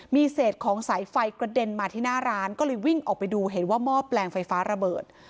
มีเศษของสายไฟกระเด็นมาที่หน้าร้านก็เลยวิ่งออกไปดูเห็นว่าหม้อแปลงไฟฟ้าระเบิด